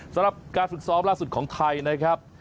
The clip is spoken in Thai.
สำหรับการฝึกซ้อมล่าสุดของไทยนะครับ